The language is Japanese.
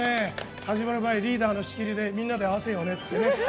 始まる前、リーダーの仕切りでみんなで合わせようねって。